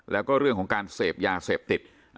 แล้วก็เรื่องของการเสพยาเสพติด